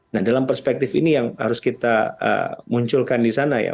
nah dalam perspektif ini yang harus kita munculkan di sana ya